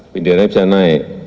benderanya bisa naik